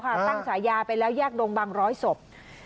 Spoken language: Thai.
ตั้งฉายาไปแล้วแยกดงบางร้อยศพ